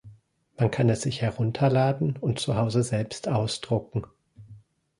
Man kann es sich herunterladen und zu Hause selbst ausdrucken.